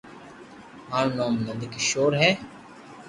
مارو نوم نند ڪآݾور ھي